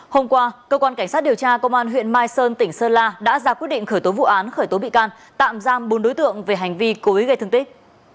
hôm qua cơ quan cảnh sát điều tra công an huyện mai sơn tỉnh sơn la đã ra quyết định khởi tố vụ án khởi tố bị can tạm giam bốn đối tượng về hành vi cố ý gây thương tích